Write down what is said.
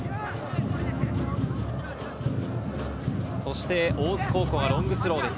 そして大津高校はロングスローです。